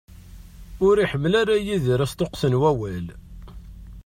Ur iḥemmel ara Yidir asṭuqqet n wawal.